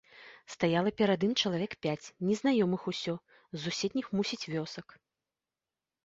Стаяла перад ім чалавек пяць, незнаёмых усё, з суседніх, мусіць, вёсак.